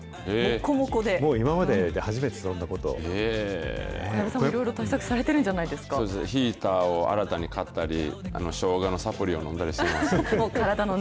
もう今までで初めて、そんな小籔さん、いろいろされてるそうですね、ヒーターを新たに買ったり、しょうがのサプリを飲んだりしてます。